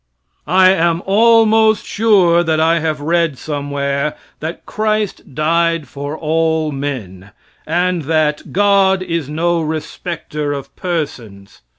I am almost sure that I have read somewhere that "Christ died for all men," and that "God is no respecter persons."